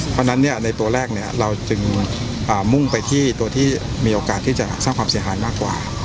เพราะฉะนั้นในตัวแรกเราจึงมุ่งไปที่ตัวที่มีโอกาสที่จะสร้างความเสียหายมากกว่า